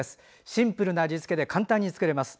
シンプルな味付けで簡単に作れます。